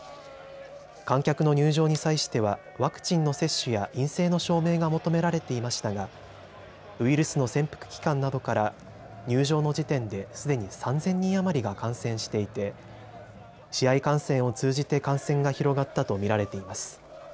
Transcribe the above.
観客の入場に際してはワクチンの接種や陰性の証明が求められていましたがウイルスの潜伏期間などから入場の時点ですでに３０００人余りが感染していて試合観戦を通じて感染が広がったと見られています。